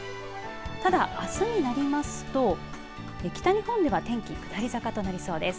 ただ、あすになりますと北日本では天気下り坂となりそうです。